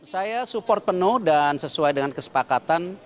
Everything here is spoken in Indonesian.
saya support penuh dan sesuai dengan kesepakatan